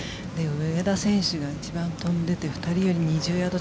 上田選手が一番飛んでいて２人より２０ヤード